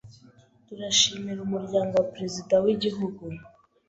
Turashimira umuryango wa president wigihugu